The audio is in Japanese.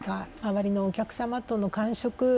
周りのお客様との感触